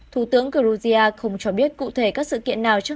thủ tướng georgia không cho biết cụ thể các sự kiện nào